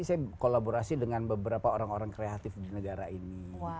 saya kolaborasi dengan beberapa orang orang kreatif di negara ini